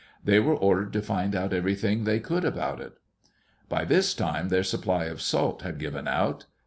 They were ordered to find out everything they could about it. By this time their supply of salt had given out.